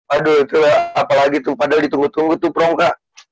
aduh apalagi tuh padahal ditunggu tunggu tuh perongka